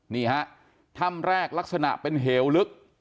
นี่ฮะถ้ำแรกลักษณะเป็นเหวลึก